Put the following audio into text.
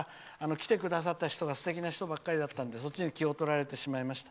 来てくださった人がすてきな人ばかりだったのでそっちに気をとられてしまいました。